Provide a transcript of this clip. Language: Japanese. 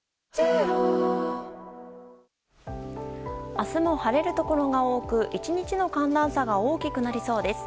明日も晴れるところが多く１日の寒暖差が大きくなりそうです。